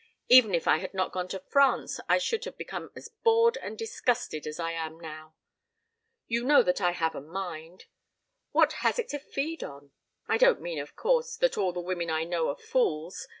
Even if I had not gone to France I should have become as bored and disgusted as I am now. You know that I have a mind. What has it to feed on? I don't mean, of course, that all the women I know are fools.